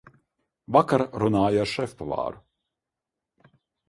Vakar runāju ar šefpavāru.